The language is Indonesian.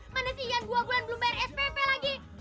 mana si ian dua bulan belum bayar spp lagi